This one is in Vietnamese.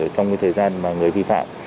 trong thời gian người vi phạm